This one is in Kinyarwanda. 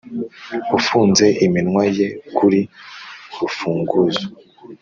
ufunze iminwa ye kuri urufunguzo,